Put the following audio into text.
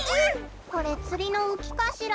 これつりのうきかしら？